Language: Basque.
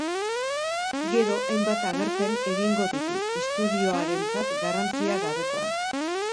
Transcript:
Gero hainbat agerpen egingo ditu istorioarentzat garrantzia gabekoak.